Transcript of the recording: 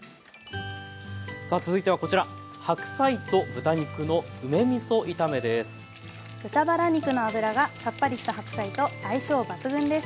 さあ続いてはこちら豚バラ肉の脂がさっぱりした白菜と相性抜群です。